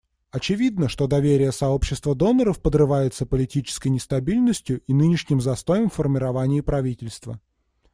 Очевидно, что доверие сообщества доноров подрывается политической нестабильностью и нынешним застоем в формировании правительства.